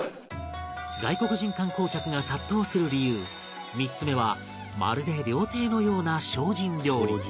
外国人観光客が殺到する理由３つ目はまるで料亭のような精進料理